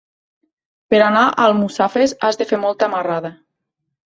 Per anar a Almussafes has de fer molta marrada.